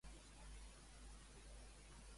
Què es va edificar quan regnava Herodes el Gran?